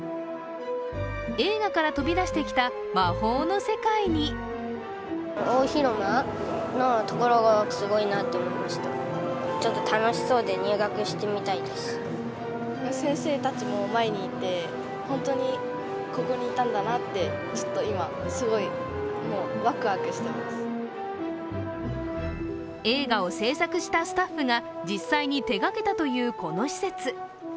映画から飛び出してきた魔法の世界に映画を制作したスタッフが実際に手がけたというこの施設。